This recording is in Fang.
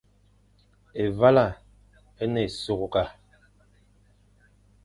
Évala é ne ésughga.